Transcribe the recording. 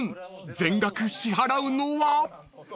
全額支払うのは？］